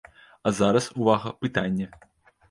А зараз, увага, пытанне!